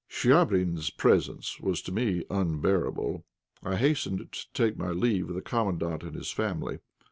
Chvabrine's presence was to me unbearable. I hastened to take leave of the Commandant and his family.